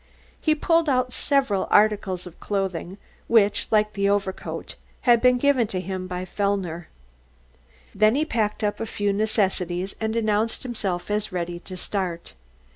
He pulled out several other articles of clothing, which, like the overcoat, had been given to him by Fellner. Then he packed up a few necessities and announced himself as ready to start.